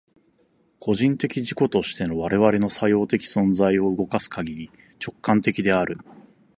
個人的自己としての我々の作用的存在を動かすかぎり、直観的である。